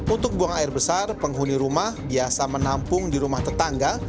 untuk buang air besar penghuni rumah biasa menampung di rumah tetangga